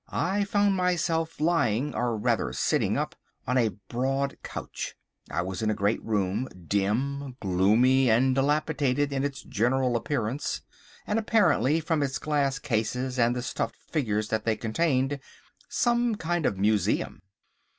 I found myself lying, or rather sitting up, on a broad couch. I was in a great room, dim, gloomy, and dilapidated in its general appearance, and apparently, from its glass cases and the stuffed figures that they contained, some kind of museum.